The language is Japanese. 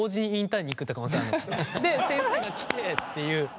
で先生が来てっていう。